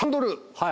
はい。